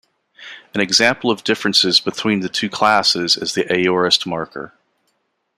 An example of differences between the two classes is the aorist-marker.